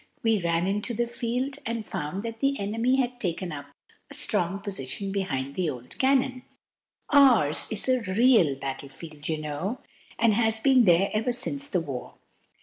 We ran into the field, and found that the enemy had taken up a strong position behind the old cannon. (Ours is a real battle field, you know, and has been there ever since the war.)